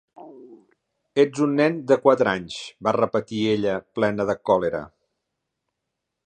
"Ets un nen de quatre anys", va repetir ella plena de còlera.